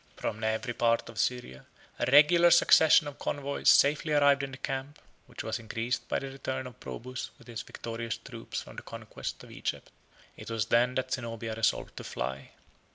From every part of Syria, a regular succession of convoys safely arrived in the camp, which was increased by the return of Probus with his victorious troops from the conquest of Egypt. It was then that Zenobia resolved to fly.